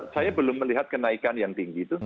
saya belum melihat kenaikan yang tinggi itu